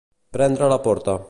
Prendre la porta.